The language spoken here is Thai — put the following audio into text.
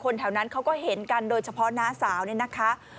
แถวนั้นเขาก็เห็นกันโดยเฉพาะน้าสาวเนี่ยนะคะ